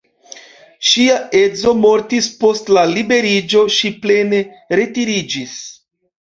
Ŝia edzo mortis, post la liberiĝo ŝi plene retiriĝis.